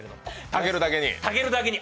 たけるだけに？